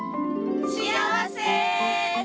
幸せ！